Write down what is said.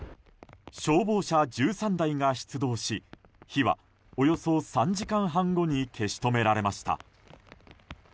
消防車１３台が出動し火はおよそ３時間半後に消し止められました。